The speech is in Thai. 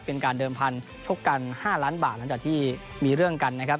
เป็นการเดิมพันธุ์ชกกัน๕ล้านบาทหลังจากที่มีเรื่องกันนะครับ